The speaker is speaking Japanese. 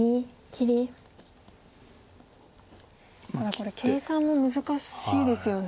これ計算も難しいですよね。